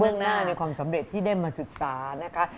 เรื่องหน้าในความสำเร็จที่ได้มาศึกษานะคะ